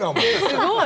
すごい。